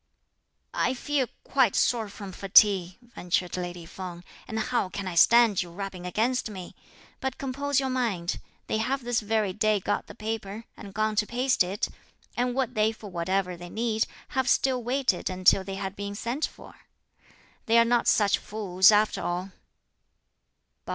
"I feel quite sore from fatigue," ventured lady Feng, "and how can I stand your rubbing against me? but compose your mind. They have this very day got the paper, and gone to paste it; and would they, for whatever they need, have still waited until they had been sent for? they are not such fools after all!"